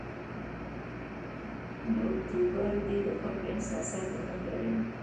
یوټوبر دې د خلکو احساسات ونه کاروي.